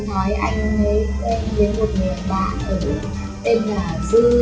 cô nói anh ấy tên là một người bạn ở tên là dư